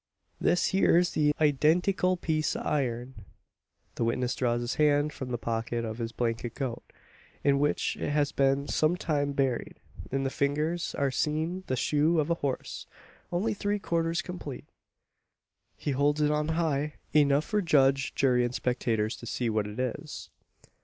This hyur's the eyedentikul piece o' iron!" The witness draws his hand from the pocket of his blanket coat, in which it has been some time buried. In the fingers are seen the shoe of a horse, only three quarters complete. He holds it on high enough for judge, jury, and spectators to see what it is.